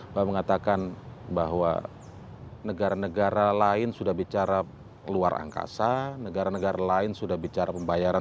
bahwa mengatakan bahwa negara negara lain sudah bicara luar angkasa negara negara lain sudah bicara pembayaran